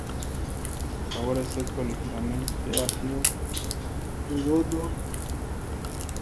Su sabor es seco, ligeramente ácido, redondo, cálido y con buen cuerpo.